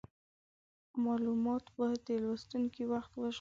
مالومات باید د لوستونکي وخت وژغوري.